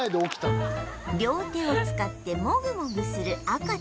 両手を使ってもぐもぐする赤ちゃん